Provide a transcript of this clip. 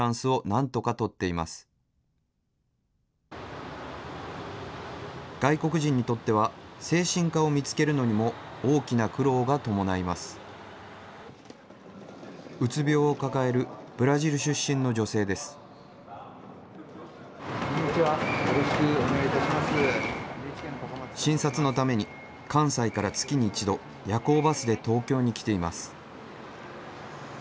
こんにちは、診察のために、関西から月に１度、夜行バスで東京に来ています。